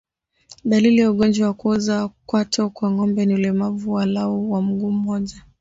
Dalili ya ugonjwa wa kuoza kwato kwa ngombe ni ulemavu walau wa mguu mmoja